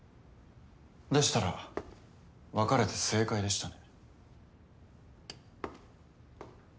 でしたら別れて正解でしたね。